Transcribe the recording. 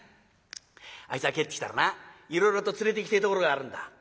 あいつが帰ってきたらないろいろと連れていきてえところがあるんだ」。